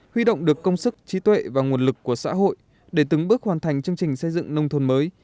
huy động được công sức trí tuệ và nguồn lực của xã hội để từng bước hoàn thành chương trình xây dựng nông thôn mới